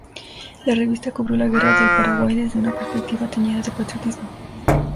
La revista cubrió la Guerra del Paraguay, desde una perspectiva teñida de patriotismo.